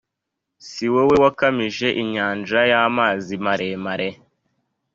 Si wowe wakamije inyanja y amazi maremare